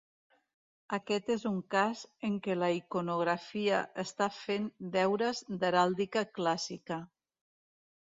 Aquest és un cas en què la iconografia està fent deures d'heràldica clàssica.